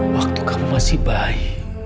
waktu kamu masih bayi